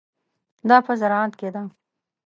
دا په زراعت کې ده.